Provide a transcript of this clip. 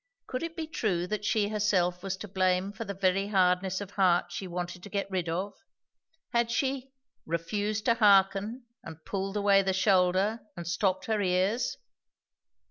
Could it be true that she herself was to blame for the very hardness of heart she wanted to get rid of? Had she "refused to hearken and pulled away the shoulder and stopped her ears"?